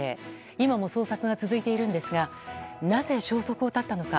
今も捜索が続いているんですがなぜ消息を絶ったのか？